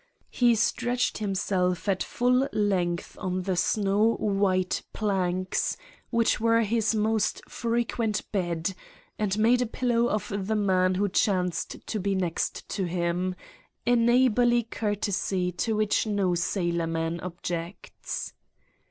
He stretched himself at full length on the snow white planks, which were his most frequent bed, and made a pillow of the man who chanced to be next to him, a neighborly courtesy to which no sailorman objects.